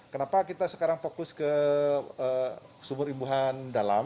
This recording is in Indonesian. kenapa kita sekarang fokus ke sumur imbuhan dalam